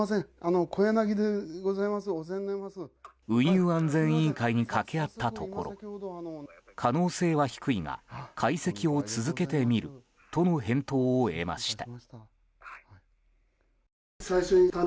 運輸安全委員会にかけ合ったところ可能性は低いが解析を続けてみるとの返答を得ました。